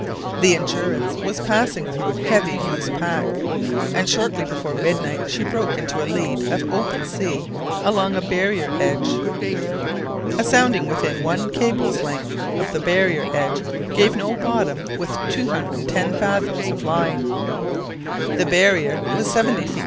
The Endurance was passing through heavy loose pack, and shortly before midnight she broke into a lead of open sea along a barrier edge. A sounding within one cable's length of the barrier edge gave no bottom with 210 fathoms of line. The barrier was 70 ft.